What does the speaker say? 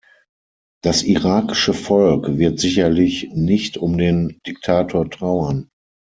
Das irakische Volk wird sicherlich nicht um den Diktator trauern.